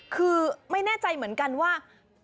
คือไม่แน่ใจเหมือนกันว่า